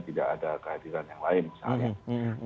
tidak ada kehadiran yang lain misalnya